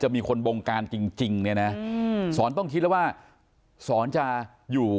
มีคนบงการจริงเนี่ยนะสอนต้องคิดแล้วว่าสอนจะอยู่